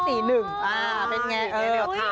เป็นไง